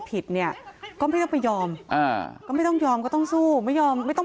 ผิดเนี่ยก็ไม่ต้องไปยอมอ่าก็ไม่ต้องยอมก็ต้องสู้ไม่ยอมไม่ต้อง